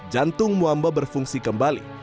jantung muamba berfungsi kembali